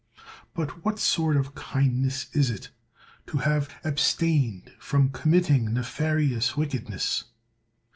But what sort of kindness is it, to have abstained from committing nefarious wickedness?